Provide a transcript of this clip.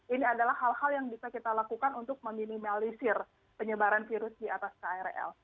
ini adalah hal hal yang bisa kita lakukan untuk meminimalisir penyebaran virus di atas krl